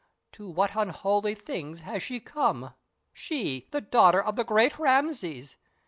To what unholy things has she come she, the daughter of the great Rameses!